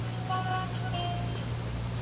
هغه وويل چي درسونه ضروري دي